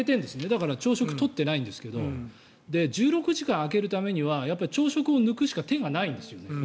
だから、朝食を取ってないんですけど１６時間空けるためには朝食を抜くしか手がないんですよね。